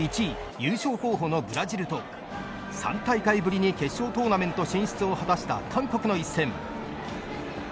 優勝候補のブラジルと３大会ぶりに決勝トーナメント進出を果たした韓国の一戦。